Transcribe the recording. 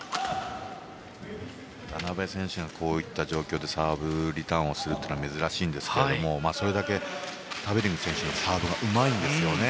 渡辺選手がこういった状況でサーブのリターンをするのは珍しいんですけどそれだけタベリング選手のサーブがうまいんですよね。